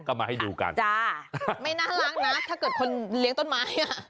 ก็มาให้ดูกันจ้าไม่น่ารักนะถ้าเกิดคนเลี้ยงต้นไม้อ่ะ